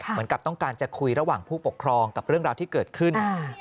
เหมือนกับต้องการจะคุยระหว่างผู้ปกครองกับเรื่องราวที่เกิดขึ้น